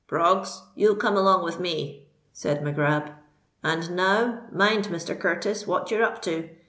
"Proggs, you'll come along with me," said Mac Grab. "And now, mind, Mr. Curtis, what you're up to.